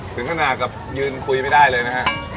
ถึงขนาดกับยืนคุยไม่ได้เลยนะฮะ